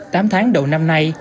tám tháng đầu năm nay